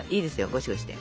ゴシゴシで。